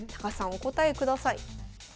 お答えください。